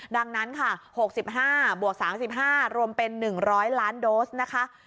ดังนั้นค่ะ๖๕บวก๓๕รวมเป็น๑๐๐ล้านโดสนะคะ